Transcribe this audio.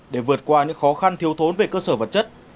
để vượt qua những khó khăn thiếu thốn về cơ sở vật chất